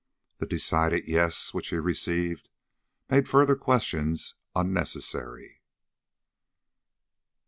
The decided Yes which he received made further questions unnecessary.